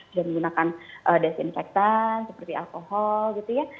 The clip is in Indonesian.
sudah menggunakan desinfektan seperti alkohol gitu ya